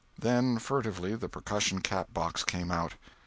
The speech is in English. Then furtively the percussion cap box came out.